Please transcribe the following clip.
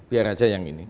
biar aja yang ini